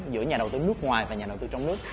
giữa nhà đầu tư nước ngoài và nhà đầu tư trong nước